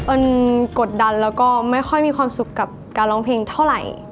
กดดันแล้วก็ไม่ค่อยมีความสุขกับการร้องเพลงเท่าไหร่